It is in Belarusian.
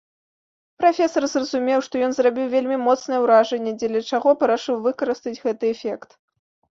Прафесар зразумеў, што ён зрабіў вельмі моцнае ўражанне, дзеля чаго парашыў выкарыстаць гэты эфект.